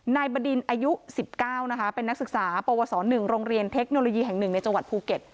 บดินอายุ๑๙นะคะเป็นนักศึกษาปวส๑โรงเรียนเทคโนโลยีแห่ง๑ในจังหวัดภูเก็ต